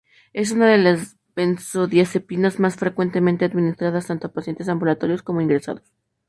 Es una de las benzodiazepinas más frecuentemente administradas tanto a pacientes ambulatorios como ingresados.